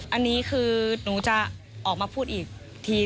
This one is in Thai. อันนี้คือหนูจะออกมาพูดอีกที